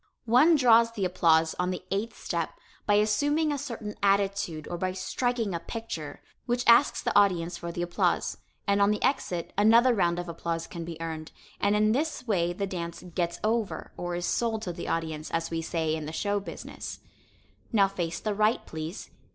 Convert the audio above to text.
One draws the applause on the eighth step by assuming a certain attitude or by "striking a picture" which asks the audience for the applause, and on the exit another round of applause can be earned, and in this way the dance "gets over," or is "sold" to the audience, as we say in the show business. [Illustration: Correct Standing Position] Now face the right, please.